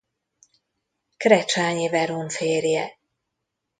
Krecsányi Veron férje.